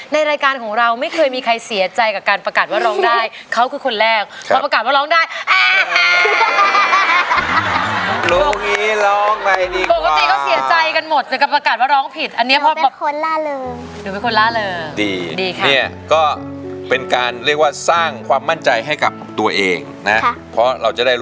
ในรายการของเรามีเกินมีใครเสียใจกับการประกันว่าร้องได้